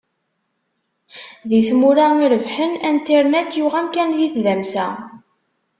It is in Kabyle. Di tmura irebḥen, internet yuɣ amkan di tdamsa.